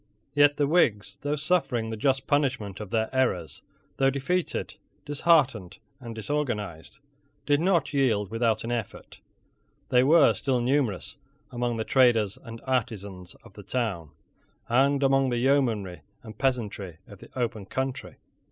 Yet the Whigs, though suffering the just punishment of their errors, though defeated, disheartened, and disorganized, did not yield without an effort. They were still numerous among the traders and artisans of the towns, and among the yeomanry and peasantry of the open country.